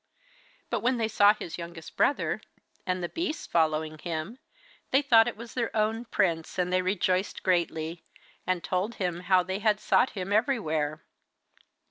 But when they saw his youngest brother, and the beasts following him, they thought it was their own prince, and they rejoiced greatly, and told him how they had sought him everywhere.